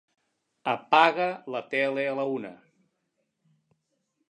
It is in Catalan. Apaga la tele a la una.